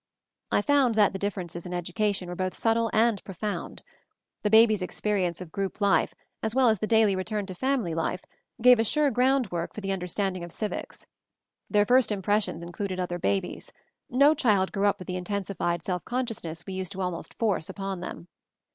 I found that the differences in education were both subtle and prof ound. The babies' experience of group life, as well as the daily return to family life, gave a sure ground work for the understanding of civics. Their first impressions included other babies; no child grew up with the intensified self con sciousness we used to almost force upon them.